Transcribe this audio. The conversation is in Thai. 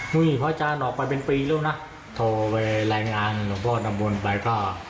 พระอาจารย์ออกไปเป็นปีแล้วนะโทรไปรายงานหลวงพ่อน้ำมนต์ไปก็